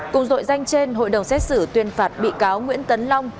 cùng dội danh trên hội đồng xét xử tuyên phạt bị cáo nguyễn tấn long